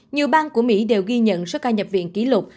nhiều bang của mỹ đều ghi nhận số ca nhập viện kỷ lục